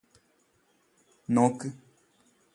നോക്ക്